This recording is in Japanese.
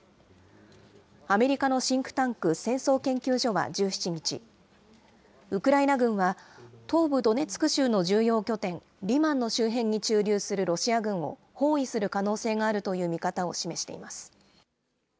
アメリカのシンクタンク、戦争研究所は１７日、ウクライナ軍は、東部ドネツク州の重要拠点、リマンの周辺に駐留するロシア軍を、包囲する可能性があるという見方を示しています。